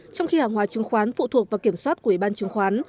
trong khi hàng hóa chứng khoán phụ thuộc vào kiểm soát của ủy ban chứng khoán